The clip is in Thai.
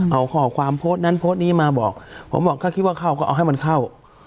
เอาข้อความโพสต์นั้นโพสต์นี้มาบอกผมบอกถ้าคิดว่าเข้าก็เอาให้มันเข้า